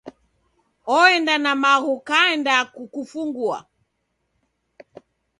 Oenda na maghu kanda kufungua.